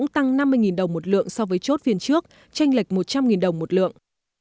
tăng năm mươi đồng một lượng so với chốt phiên trước tranh lệch một trăm linh đồng một lượng